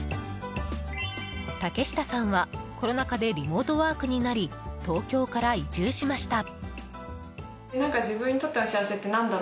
竹下さんはコロナ禍でリモートワークになり東京から移住しました。